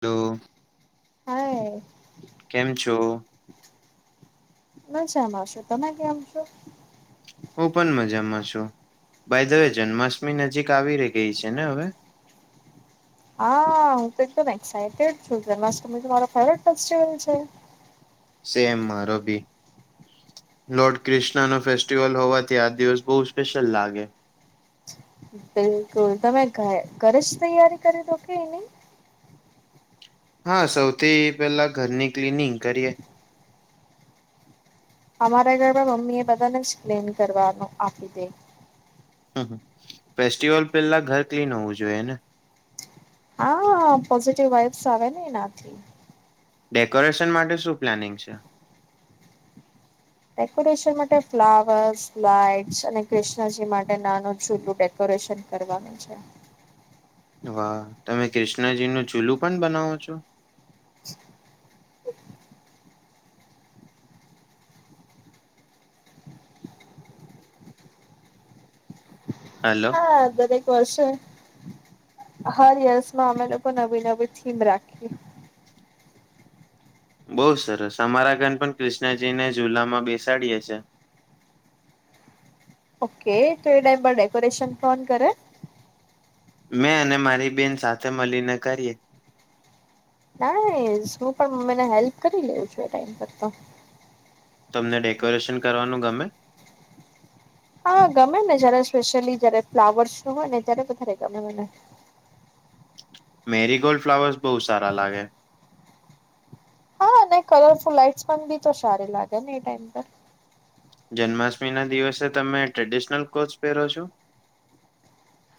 Hello. હા. કેમ છો. હ શમ આવશો તમે કેમ છો. હું પણ મજામાં છું ભાઈ દવે જન્માષ્ટમી નજીક આવી ર ગઈ છે ને હવે. હા હું તો એકમ છ જન્માષ્ટમી ફવ ફસ્ટ છે. સેમ મારોબી. લોર્ડ ક્રિષ્ના ન ફેસ્ટિવલ હોવાથી આ દિવસ બહ સ્પેશિયલ લાગે. બિલકુલ તમે ઘ ઘરે જ તૈયારી કરી દો કે એની. હા સૌથી પેલા ઘરની ક્લીિનિંગ કરીએ. અમારા ઘરમાંા મમ્મી એ બધાને જ પ્લેન કરવાનું આપી દે. હ ફેસ્ટિવલ પેલા ઘર ક્લીન હોવું જોઈએ એને. હા પોઝિટિવ વાઇબ્સ આવે ને એનાથી. ડેકોરેશન માટે શું પ્લાનિંગ છે. ડેકોરેશન માટે ફ્લાવર્સ લાઈટ અને ક્રિષ્ણજી માટે નાનું જૂલ. કોરેશન કરવાનું છે. વાહ તમે કૃષ્ણજી નું ચૂલું પણ બનાવો છો. હાલલો. હા અરેક વર્ષ. હર યસ માં અમે લોકો નવી નવી થીમ રાખી. બઉુ સરસ અમારા ઘન પણ કૃષ્ણજી ને ઝુલામાં બેસાડીએે છે. ઓકે તોઈ ટાઈમ પર ડેકોરેશન કોન કરે. મેં અને મારી બેન સાથે મળીને કરીએ. ના હું પણ મ્મીને હેલ્પ કરી લેઉ છું એ ટાઈમ પર તો. તમને ડેકોરેશન કરવાનું ગમે.? હા ગમે ને જય્યારે સ્પેશ્યયલી જયારે ફ્લાવર્સ નું હોય ને ત્યારે વધારે ગમે મને. મેરી ગોલ્ડ ફ્લાવર્સ બહુ સારા લાગે ન કલરફુલ લાઇટ પણ બી તો સારી લાગે ને એ ટાઈમ પર જન્માષ્ટમી ના દિવસે તમે ટ્રેડિશનલ કોટ પહેરો છો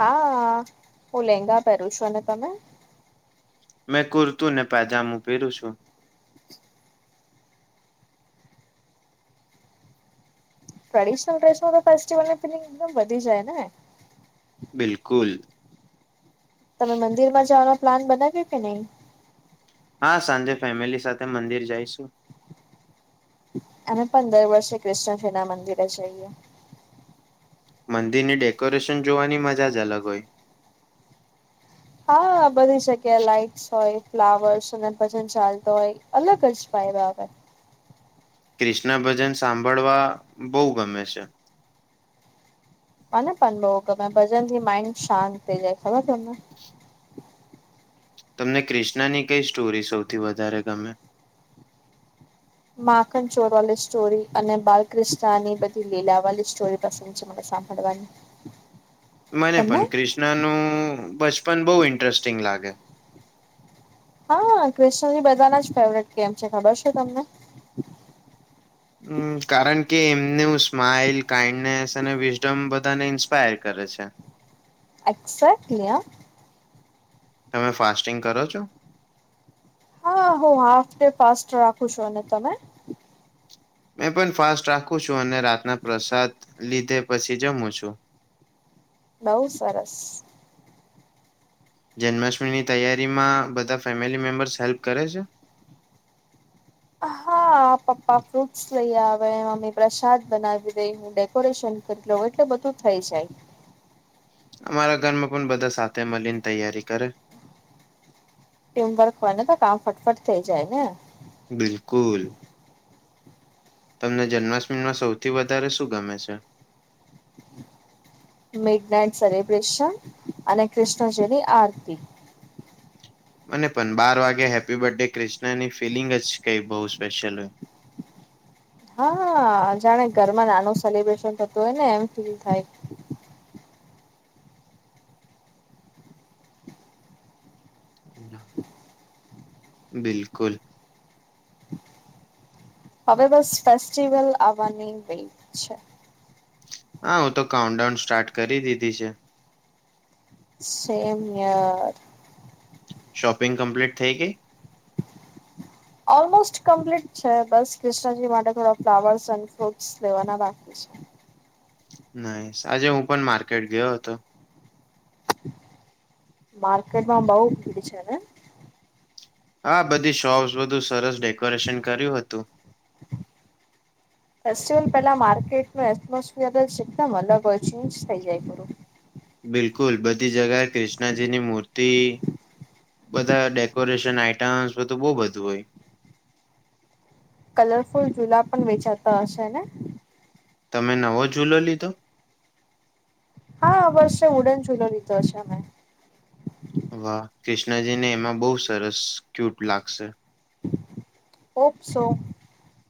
હા હું લેંગા પહેરું છું ને તમે મેં કુર્તું ને પજામું પહેરું છું ટ્રેડિશનલ ડ્રેસ માં તો ફેસ્ટિવલની પિનિંગદમ વધી જાય ને? બિલકુલ! તમે મંદિર માં જવાનો પ્લાન બનાવ્યો કે નહી? હા સાંજે ફેમિલી સાથે મંદિર જઈશું અને પણ દર વર્ષે ક્રિશ્ચનજીના મંદિરે જઈએ. મંદિરની ડેકોરેશન જોવાની મજા જ અલગ હોય. હા બની શકે લાઈકસ હોય. ફ્લાવર્સ અને ભજન ચાલતો હોય અલગ જ ફાય આવેય. ક્રિષ્ણ ભજન સાંભળવા બહ ગમે છે. મને પણ બહ ગમે ભજન થી માઇન્ડ શાંત થઇ જાય ખબર છે. તમને ક્રિષ્નાની કઈ સ્ટોરી સૌથી વધારે ગમે? માખડ ચોર વાલી સ્ટોરી અને બાલક્રિષ્ણની બધી લીલા વાળી સ્ટોરી પ્રસંગ છે મને સાંભાળવાની મને પણ ક્રિષ્નાનું બચપન બહુ ઇન્ટરેસ્ટિંગ લાગે. હા ક્રિષ્ણજી બધાના જ ફેવરેટ ગેમ છે ખબર છે તમને? હમ કારણ કે એમને હ સ્માઈલ કાાઈન્ડનેસ અને વિઝડમ બધાને ઇન્સ્પાયર કરે છે. એક્સ્ટલીયા તમે ફાસ્ટિંગ કરો છો? હા હું હાફ ડે ફાસ્ટ રાખું છું અને તમે? મેં પણ ફાસ્ટ રાખું છું અને રાતના પ્રસાદ લીધે પછી જમું છું. બઉુ સરસ! જન્માષ્ટમીની તૈયારીમાં બધા ફેમિલી મેમ્બર્સ હેલ્પ કરે છે? હા પપ્પા ફ્રૂટ્સ લઈ આવે મમ્મી પ્રસાદ બનાવી દે ડેકોરેશન એટલે બધું થઈ જાય. અમારા ઘરમાં પણ બધા સાથે મળીને તૈયારી કરે. ટીમ વર્ક હોય ને તો કામ ફટફટ થઈ જાય ને. બિલકુલ! તમને જન્માષ્ટમીમાં સૌથી વધારે શું ગમે છે? મિડ નાઈટ સેલિબ્રેશન અને કૃષ્ણજીની આરતી. મને પણ બાર વાગે હેપી બર્થ ડે ક્રિષ્ના ની ફિલિંગ જ કઈ બહુ સ્પેશ્યલ હોય. હા અ જાણે ઘરમાં નાનું સેલિબ્રેશન થતું હોય ને એમ ફીલ થાય. બિલકુલ, હવે બસ ફેસ્ટિવલ આવવાની રહી છે. હા હું તો કાઉન્ટડાાઉન સ્ટાર્ટ કરી દીધી છે. સેમ યર શોપિંગ કમ્પ્લીટ થઈ ગઈ? ઓલમોસ્ટ કમ્પ્લીટ છે બસ ક્રિષ્ણજી માટે થોડા ફ્લાવર્સ એડ ફ્રુટ લેવાના બાકી છે. નહી આજે હું પણ માર્કેટ ગયો હતો. માર્કેટમાં બઉ પી છે ને? હા બધી શોપ્સ બધું સરસ ડેકોરેશન કર્યું હતું. [unintelligible] ફેસ્ટિવલ પેલા માર્કેટ નો એટમોસફિયર જ એકદમ અલગ હોય ચેન્જ થઇ જાય પૂરું. બિલકુલ બધી જગા ક્રિષ્ણજીની મૂર્તિ બધા ડેકોરેશન આઈટમ્સ બધું બહુ બધું હોય. કલરફુલ જુલા પણ વેચાતા હશે ને? તમે નવો જૂલો લીધો? હા બસ છે વુડન જ્વેલરી તો હશે અમે વાહ ક્રિષ્ણજીને એમાં બહુ સરસ ક્યુટ લાગશે. ઓપસો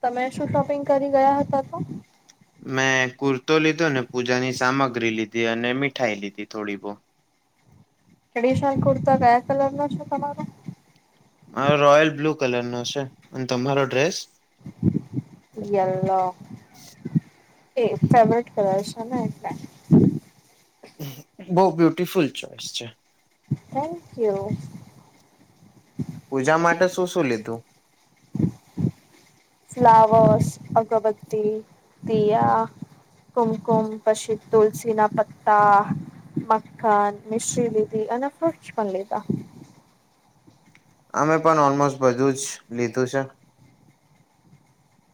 તમે શું શોપિંગ કરી ગયા હતા તો? મેં કુર્તો લીધો ને પૂજાની સામગ્રી લીધી અને મીઠાઈ લીધી થોડી બહુહ ટ્રેડિશનલ કુર્તા કયા કલર ના છે તમારા? મારો રોયલ બ્લુ કલર નો છે, અને તમારો ડ્રેસ? યેલો એજ ફેવરેટ કલર છેને એટલે. બઉ બ્યુટીફુલ ચોઈસ છે. Thank you. પૂજા માટે શું શું લીધું? ફ્લાવર્સ, અગબત્તી, દીયા કુમકુમ પછી તુલસી ના પત્તા. મખ્ખન, મિશ્રી લીધી, અને ફ્રૂટસ પણ લીધા. અમે પણ ઓલમોસ્ટ બધું જ લીધું છે.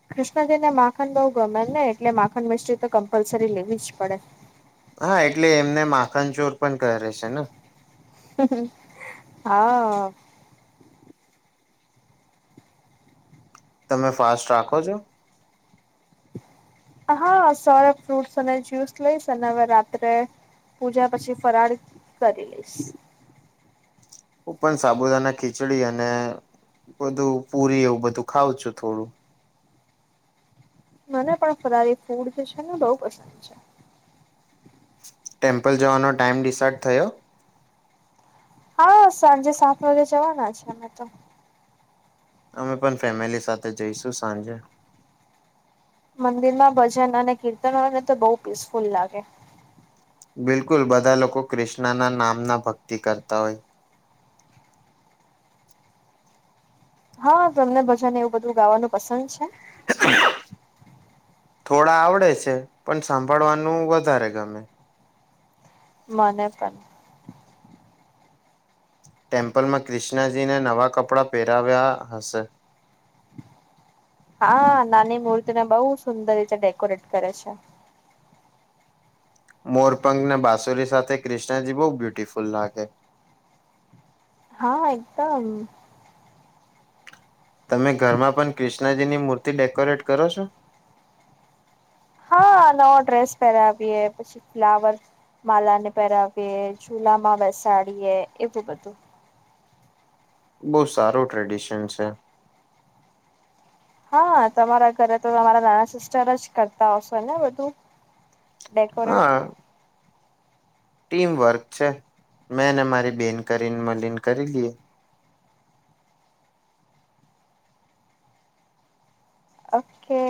કૃષ્ણજી ને માખન બહુ ગમેને, એટલે માખન મિશ્રી તો કમ્પલસરી લેવીજ પડે. હા એટલે એમને માખન ચોર પણ કરે છે ને. [unintelligible] હા. તમે ફાસ્ટ રાખો છો? હા સવારે ફ્રૂટસ અને જ્યુસ લઈસ ને હવે રાત્રે પૂજા પછી ફરાળી કરી લઈશ. પણ સાબુદાના ખીચડી અને બધું પુરી એવું બધું ખાવ છું થોડું મને પણ ફરારી ફૂડ જે છે ને બહુ પસંદ છે. ટેમ્પલ જવાનો ટાઈમ ડિસાઇડ થયો? હા સાંજે સાત વાગે જવાના છે અમે તો. અમે પણ ફેમિલી સાથે જઈશું સાંજે. મંદિર માં ભજન અને કીર્તન હો ને તો બહુ પીસફુલ લાગે. બિલકુલ બધા લોકો ક્રિષ્ણાના નામના ભક્તિ કરતા હોય હા, તમને ભજન એવું બધું ગાવાનું પસંદ છે? થોડા આવડે છે, પણ સાંભળવાનું વધારે ગમે. મને પણ. ટેમ્પલમાં ક્રિષ્ણાજીને નવા કપડાં પહેરાવ્યા હશે. હા, નાની મૂર્તિને બહુ સુંદર રીતે ડેકોરેટ કરે છે. મોરપંંખ ને બાસુરી સાથે ક્રિણાજી બહુ બ્યુટીફુલ લાગે. હા એકદમ. તમે ઘરમાં પણ ક્રિષ્ણાજીની મૂર્તિ ડેકોરેટ કરો છો? હા, નવો ડ્રેસ પહેરાવીએે, પછી ફ્લાવરસ માલાને પહેરાવીએ જુલા માં બેસાડીએ એવું બધું. બહુ સારું ટ્રેડિશન છે. હા, તમારા ઘરે તો તમારા નાના સિસ્ટરજ કરતા હશેને બધું. ડેકોરેટ હા ટીમ વર્ક છે, મેંને મારી બેન કરીને મલીન કરી લએ. ઓકે.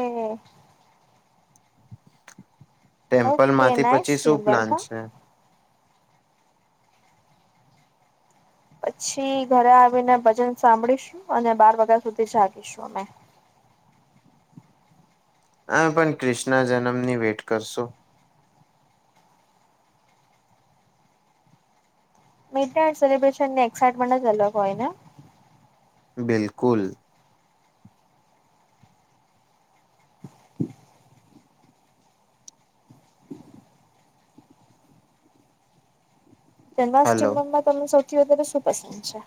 ટેમ્પલ ઓકે માંથી નાઈસ પછી શું ટીમ વર્ક પ્લાન હા. છે? પછી ઘરે આવીને ભજન સાંભળીશું, અને બાર વાગ્યા સુધી જાગીશું અમે. અમે પણ ક્રિષ્ના જન્મની વેટ કરશું. મીડ નાઈટ સલિબ્રેશનની એક્સાઇટમેન્ટ જ હોય ને. બિલકુલ [inaudible] કેનવાસ હલો સ્ટીમમાં તમને સૌથી વધારે શું પસંદ છે?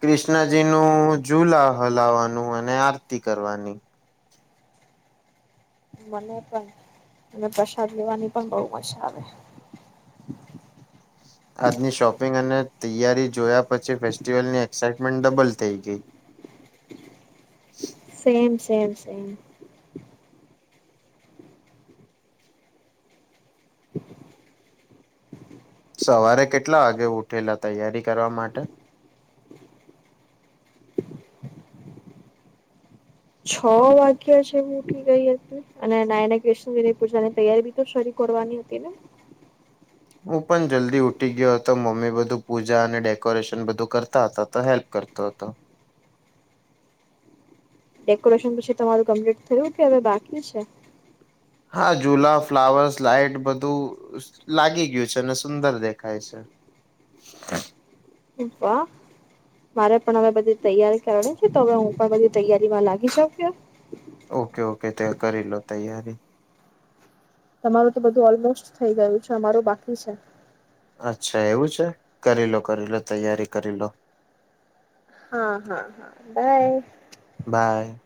ક્રિષ્ણજી નું ઝુલા હલાવાનું, અને આરતી કરવાની. મને પણ, મને પ્રસાદ લેવાની પણ બઉ મજા આવે. આજની શોપિંગ અને તૈયારી જોયા પછી ફેસ્ટિવલની એક્સાઈટમેન્ટ ડબલ થઈ ગઈ સેમ સેમ સેમ. સવારે કેટલા વાગે ઉઠેલા તૈયારી કરવા માટે? છ વાગ્યા જેવું ઉઠી ગઈ હતી. અને નાઈને કૃષ્ણજીની પૂજાની તૈયારી બી તો શરુ કરવાની હતી ને. હું પણ જલ્દી ઉઠી ગયો હતો, મમ્મી બધું પૂજા અને ડેકોરેશન બધું કરતા હતા તો હેલ્પ કર તો તો. ડેકોરેશન પછી તમારું કમ્પ્લીટ થયું કે હવે બાકી છે? હા, જુલા, ફ્લાવર્સ, લાાઈટ બધું લાગી ગયું છે ને સુંદર દેખાય છે. વાહ. મારે પણ હવે બધી તૈયારી કરવાની છે, તો હવે હું પણ બધી તૈયારીમાં લાગી જાઉ છું. ઓકે, ઓકે ત્યાર કરી લો તૈયારી. તમારું તો બધું ઓલમોસ્ટ થઈ ગયું છે, અમારું બાકી છે. અચ્છા એવું છે, કરી લો, કરી લો, તૈયારી કરી લો. હા, હા, હા, બાય. બાય.